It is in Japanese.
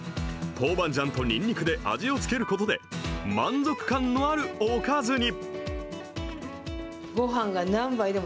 トウバンジャンとにんにくで味を付けることで、満足感のあるおかずに。